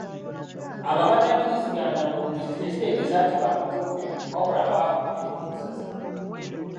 Abo abatakkiriziganya na mwogezi tekitegeeza nti ba mutwe munene wabula baba n’endowooza zaabwe.